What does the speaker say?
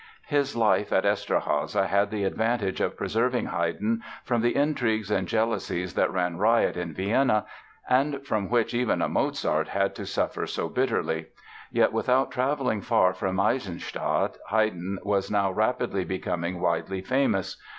His life at Eszterháza had the advantage of preserving Haydn from the intrigues and jealousies that ran riot in Vienna and from which even a Mozart had to suffer so bitterly. Yet without traveling far from Eisenstadt Haydn was now rapidly becoming widely famous.